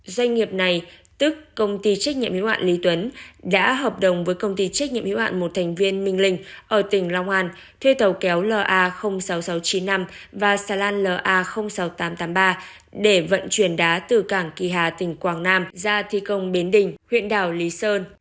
doanh nghiệp này tức công ty trách nhiệm yếu hoạn lý tuấn đã hợp đồng với công ty trách nhiệm hiệu hạn một thành viên minh linh ở tỉnh long an thuê tàu kéo la sáu nghìn sáu trăm chín mươi năm và xà lan la sáu nghìn tám trăm tám mươi ba để vận chuyển đá từ cảng kỳ hà tỉnh quảng nam ra thi công bến đình huyện đảo lý sơn